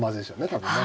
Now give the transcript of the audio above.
多分ね。